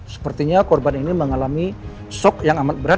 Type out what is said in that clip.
sepertinya korban ini mengalami shock yang amat berat